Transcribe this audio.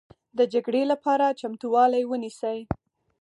د جګړې لپاره چمتوالی ونیسئ